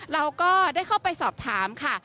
เราก็ได้เข้าไปสอบถามค่ะ